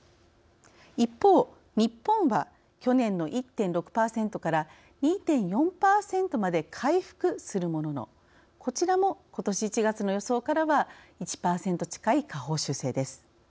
一方、日本は去年の１．６％から２．４％まで回復するもののこちらもことし１月の予想からは１％近い下方修正です。